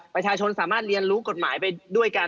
ประชาชนสามารถเรียนรู้กฎหมายไปด้วยกัน